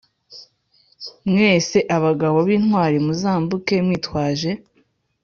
Mwese abagabo b intwari muzambuke mwitwaje